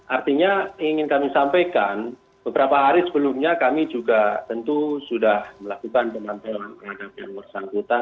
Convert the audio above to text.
artinya ingin kami sampaikan beberapa hari sebelumnya kami juga tentu sudah melakukan penampilan terhadap yang bersangkutan